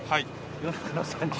夜中の３時？